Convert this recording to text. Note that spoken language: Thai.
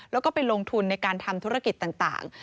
แล้วก็ไปลงทุนในการทำธุรกิจต่าง